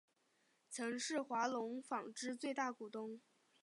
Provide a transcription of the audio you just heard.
曾是华隆纺织最大股东。